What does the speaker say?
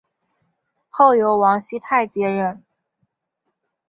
后由王熙泰接任。